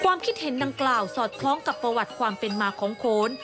ความคิดเห็นดังกล่าวสอดคล้องกับประวัติความเป็นมาของโขน